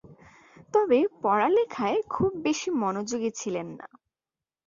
তবে পড়ালেখায় খুব বেশি মনোযোগী ছিলেন না।